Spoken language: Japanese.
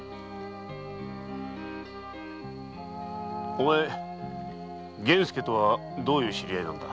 お前源助とはどういう知り合いなんだ？